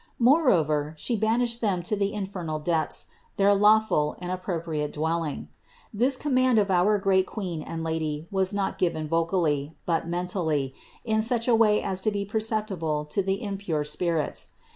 Moreover, She banished them to the infernal depths, their lawful and appropriate dwelling. This command of our great Queen and Lady was not given vocally, but men tally, in such a way as to be perceptible to the impure spirits.